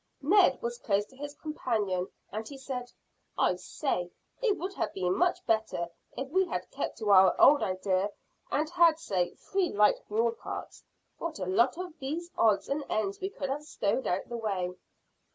Ned was close to his companion, and he said "I say, it would have been much better if we had kept to our old idea and had, say, three light mule carts. What a lot of these odds and ends we could have stowed out of the way."